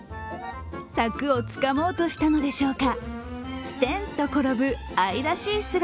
柵をつかもうとしたのでしょうか